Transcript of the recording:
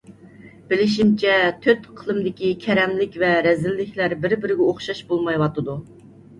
بىلىشىمچە، تۆت ئىقلىمدىكى كەرەملىك ۋە رەزىللىكلەر بىر - بىرىگە ئوخشاش بولمايۋاتىدۇ.